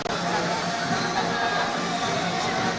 kita akan menikmati